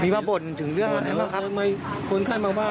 พี่บ้าบถึงเรื่องไหนบ้างครับทำไมคนไข้มันบ้า